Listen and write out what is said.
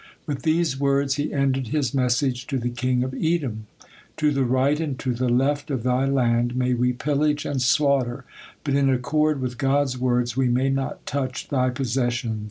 With these words he ended his message to the king of Edom: "To the right and to the left of thy land may we pillage and slaughter, but in accord with God's words, we may not touch thy possession."